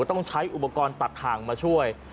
ต้องใช้อุปกรณ์ตัดทางมาช่วย